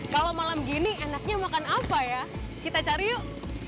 kalau malam gini enaknya makan apa ya kita cari yuk